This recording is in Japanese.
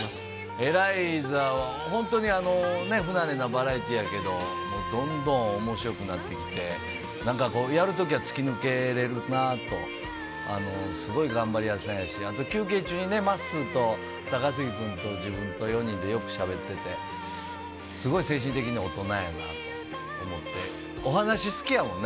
エライザは本当に、不慣れなバラエティーやけど、どんどんおもしろくなってきて、なんかこう、やるときは突き抜けれるなと、すごい頑張り屋さんやし、あと休憩中にね、まっすーと高杉君と自分と４人でよくしゃべってて、すごい精神的に大人やなと思って、お話好きやもんね？